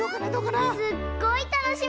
すっごいたのしみ！